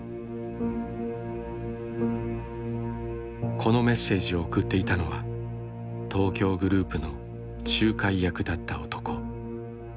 このメッセージを送っていたのは東京グループの仲介役だった男。